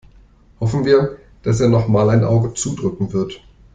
Hoffen wir, dass er noch mal ein Auge zudrücken wird.